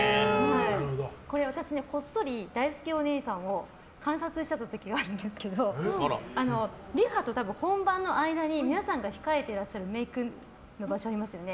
私、こっそりだいすけおにいさんを観察してた時があるんですけどリハと本番の間に皆さんが控えていらっしゃるメイクの場所ありますよね。